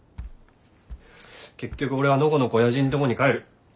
結局俺はのこのこおやじんとこに帰る。